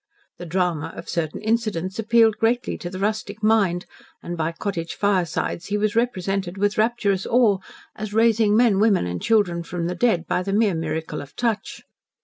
The drama of certain incidents appealed greatly to the rustic mind, and by cottage firesides he was represented with rapturous awe, as raising men, women, and children from the dead, by the mere miracle of touch.